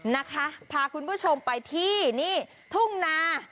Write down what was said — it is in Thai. นะคะพาคุณผู้ชมไปที่นี่ทุ่งนา